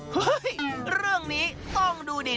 เฮ้ยเรื่องนี้ต้องดูดิ